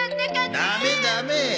ダメダメ。